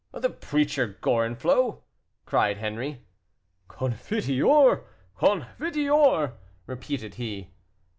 "The preacher Gorenflot," cried Henri. "Confiteor, confiteor," repeated he.